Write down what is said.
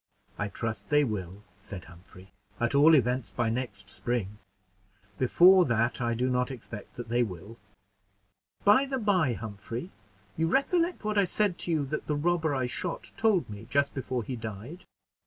"I trust they will," said Humphrey, "at all events by next spring; before that I do not expect that they will." "By the by, Humphrey, you recollect what I said to you that the robber I shot told me just before he died."